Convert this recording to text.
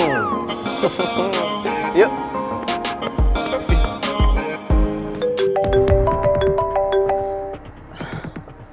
tunggu aku mau ke rumah